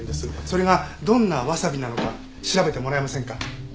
それがどんなわさびなのか調べてもらえませんか？